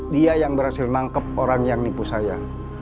dia yang berhasil nangkep orang yang nipu saya